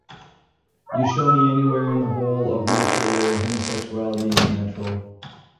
You show me anywhere in the whole of nature where homosexuality is natural?